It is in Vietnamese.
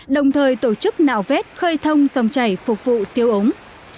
đồng thời tổ chức nạo vết khơi thông song chảy phục vụ tiêu ống